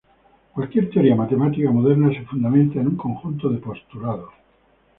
Cualquier teoría matemática moderna se fundamenta en un conjunto de postulados.